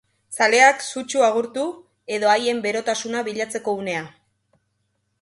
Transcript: Zaleak sutsu agurtu, edo haien berotasuna bilatzeko unea.